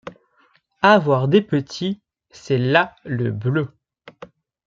Avoir des petits, c’est là le bleu.